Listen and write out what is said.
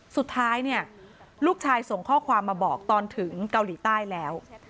สุดท้ายเนี่ยลูกชายส่งข้อความมาบอกตอนถึงเกาหลีใต้แล้ว